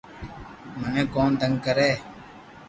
مني ڪون تنگ ڪري